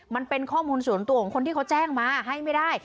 มันเป็นข้อมูลส่วนตัวของคนที่เขาแจ้งมาให้ไม่ได้